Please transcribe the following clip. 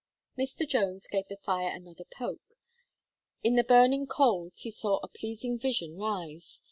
Mr. Jones gave the fire another poke. In the burning coals he saw a pleasing vision rise.